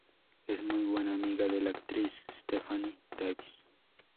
Es muy buena amiga de la actriz Stephanie Davis.